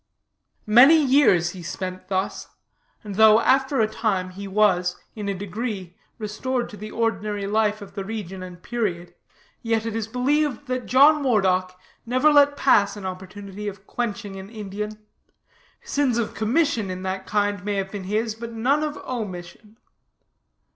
"'Many years he spent thus; and though after a time he was, in a degree, restored to the ordinary life of the region and period, yet it is believed that John Moredock never let pass an opportunity of quenching an Indian. Sins of commission in that kind may have been his, but none of omission.